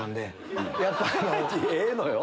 ええのよ。